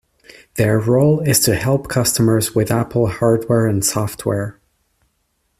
Their role is to help customers with Apple hardware and software.